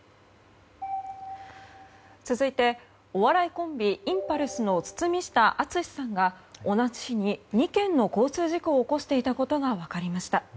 続いてお笑いコンビ、インパルスの堤下敦さんが、同じ日に２件の交通事故を起こしていたことが分かりました。